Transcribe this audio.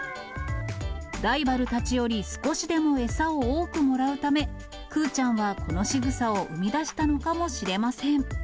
ライバルたちより少しでも餌を多くもらうため、クゥちゃんはこのしぐさを生み出したのかもしれません。